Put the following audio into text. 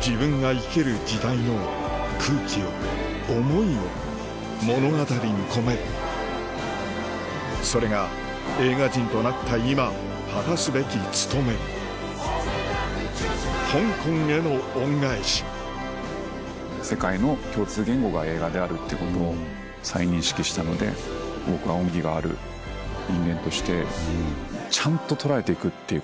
自分が生きる時代の空気を思いを物語に込めるそれが映画人となった今果たすべき務め香港への恩返しであるっていうことを再認識したので僕は恩義がある人間としてちゃんと捉えていくっていうこと。